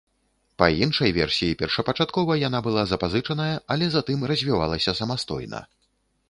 Па іншай версіі першапачаткова яна была запазычаная, але затым развівалася самастойна.